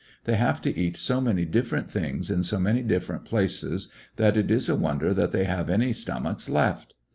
They haye to eat so many different things^ in so many different places, that it is a wonder that they have any stomachs left.